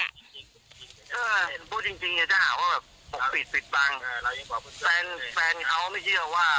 ถ้าพูดจริงเนี่ยจะหาว่าแบบปกปิดปิดบังแฟนแฟนเขาไม่เชื่อว่า